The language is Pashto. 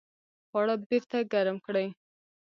خواړه بیرته ګرم کړئ